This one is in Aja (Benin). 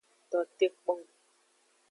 Tote kpong.